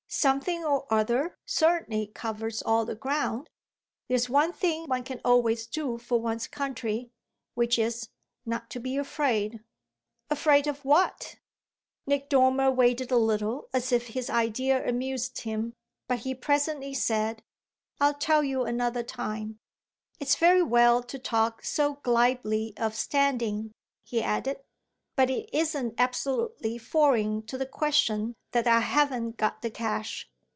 "'Something or other' certainly covers all the ground. There's one thing one can always do for one's country, which is not to be afraid." "Afraid of what?" Nick Dormer waited a little, as if his idea amused him, but he presently said, "I'll tell you another time. It's very well to talk so glibly of standing," he added; "but it isn't absolutely foreign to the question that I haven't got the cash."